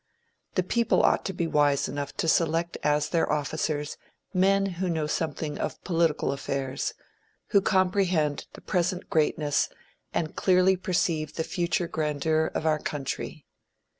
The people ought to be wise enough to select as their officers men who know something of political affairs, who comprehend the present greatness, and clearly perceive the future grandeur of our country.